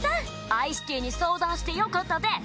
アイシティに相談してよかったデス！